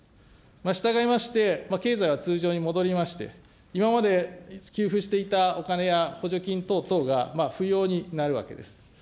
したがいまして、経済は通常に戻りまして、今まで給付していたお金や補助金等々が不要になるわけです。